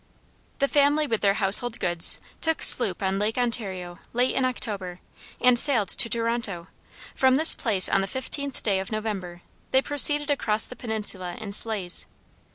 The family with their household goods took sloop on Lake Ontario late in October, and sailed to Toronto; from this place on the 15th day of November, they proceeded across the peninsula in sleighs.